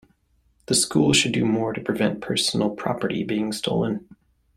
The school should do more to prevent personal property being stolen.